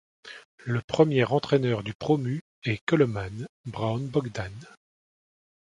Le premier entraîneur du promu est Coloman Braun-Bogdan.